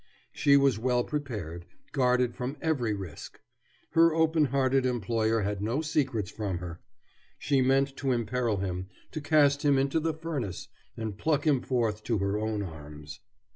She was well prepared, guarded from every risk. Her open hearted employer had no secrets from her. She meant to imperil him, to cast him into the furnace, and pluck him forth to her own arms.